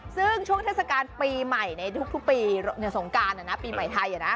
ซึ่งช่วงเทศกาลปีใหม่ในทุกปีสงการปีใหม่ไทย